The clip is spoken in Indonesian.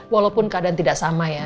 walaupun keadaan tidak sama ya